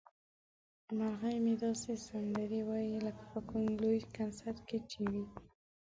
مرغۍ مې داسې سندرې وايي لکه په کوم لوی کنسرت کې چې وي.